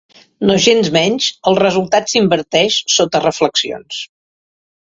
Nogensmenys, el resultat s'inverteix sota reflexions.